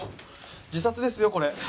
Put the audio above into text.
自殺ですよこれ。